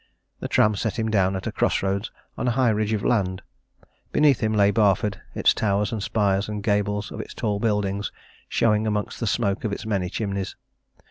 The tram set him down at a cross roads on a high ridge of land. Beneath him lay Barford, its towers and spires and the gables of its tall buildings showing amongst the smoke of its many chimneys.